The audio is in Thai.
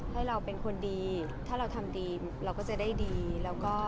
คือว่าทีนี้ท่านาทำดีเราก็จะได้ดีเราก็